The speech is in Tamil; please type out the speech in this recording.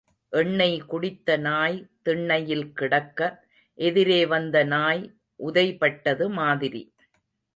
எண்ணெய் குடித்த நாய் திண்ணையில் கிடக்க, எதிரே வந்த நாய் உதைபட்டது மாதிரி.